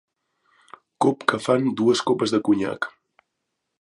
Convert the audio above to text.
Cop que fan dues copes de conyac.